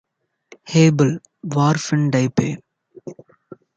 Hâble wharf in Dieppe